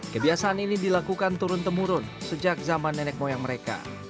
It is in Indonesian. kebiasaan ini dilakukan turun temurun sejak zaman nenek moyang mereka